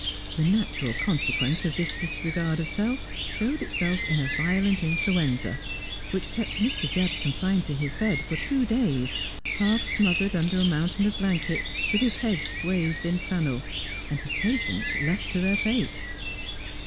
The natural consequence of this disregard of self showed itself in a violent influenza, which kept Mr. Jebb confined to his bed for two days, half smothered under a mountain of blankets, with his head swathed in flannel — and his patients left to their fate.